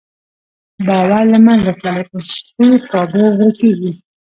باور له منځه تللی، اصول کابو ورکېږي.